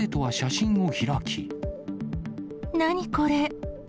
何これ。